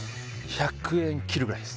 １００円切るぐらいです